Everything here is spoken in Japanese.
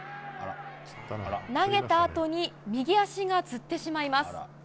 投げたあとに右足がつってしまいます。